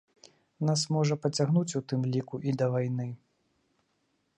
Нас можа пацягнуць, у тым ліку, і да вайны.